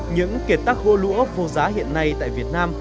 những kiệt tác gỗ lũa vô giá hiện nay tại việt nam